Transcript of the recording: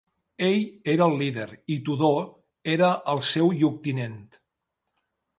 Ell era el líder, i Tudor era el seu lloctinent.